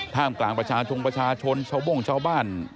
กลางประชาชนประชาชนชาวโบ้งชาวบ้าน